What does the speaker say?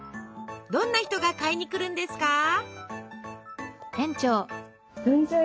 どんな人が買いに来るんですか？